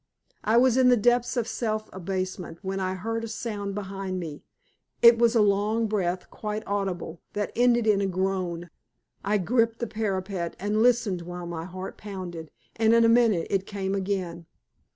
I was in the depths of self abasement when I heard a sound behind me. It was a long breath, quite audible, that ended in a groan. I gripped the parapet and listened, while my heart pounded, and in a minute it came again.